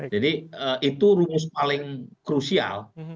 jadi itu rumus paling krusial